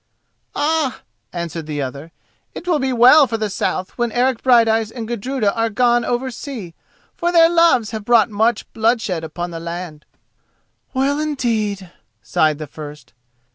"Ah," answered the other, "it will be well for the south when Eric Brighteyes and Gudruda are gone over sea, for their loves have brought much bloodshed upon the land." "Well, indeed!" sighed the first.